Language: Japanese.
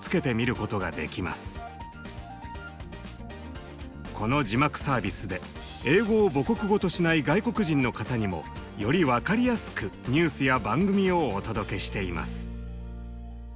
この字幕サービスで英語を母国語としない外国人の方にもより分かりやすくニュースや番組をお届けしています。